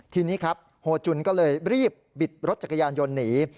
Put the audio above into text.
ทีนี้ครับโฮจุนก็เลยรีบบิดรถจักรยานยนต์หนี